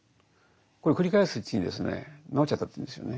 これを繰り返すうちに治っちゃったというんですよね。